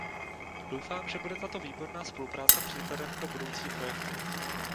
Doufám, že bude tato výborná spolupráce příkladem pro budoucí projekty.